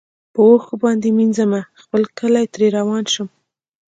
په اوښکو باندي مینځمه خپل کلی ترې روان شم